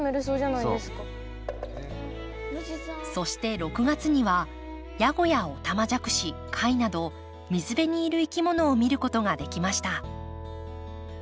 そして６月にはヤゴやオタマジャクシ貝など水辺にいるいきものを見ることができました。